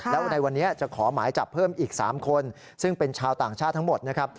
แล้วในวันนี้จะขอหมายจับเพิ่มอีก๓คนซึ่งเป็นชาวต่างชาติทั้งหมดนะครับ